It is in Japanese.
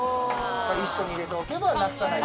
一緒に入れておけばなくさない。